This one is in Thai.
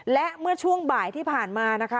และเมื่อช่วงบ่ายที่ผ่านมานะคะ